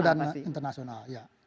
nasional dan internasional ya